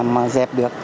mà dẹp được